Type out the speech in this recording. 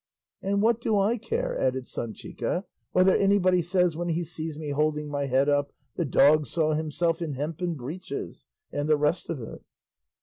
"And what do I care," added Sanchica, "whether anybody says when he sees me holding my head up, 'The dog saw himself in hempen breeches,' and the rest of it?"